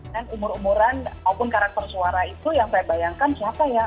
dan umur umuran maupun karakter suara itu yang saya bayangkan siapa ya